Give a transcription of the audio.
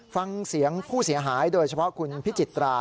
ฟังเสียงผู้เสียหายโดยเฉพาะคุณพิจิตรา